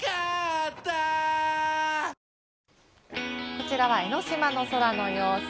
こちらは江の島の空の様子。